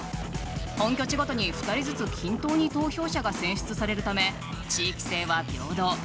本拠地ごとに２人ずつ均等に投票者が選出されるため地域性は平等。